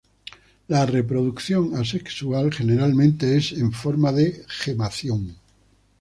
La reproducción asexual generalmente es en forma de gemación.